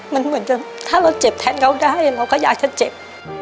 มันเหมือนจะถ้าเราเจ็บแทนเขาได้เราก็อยากจะเจ็บ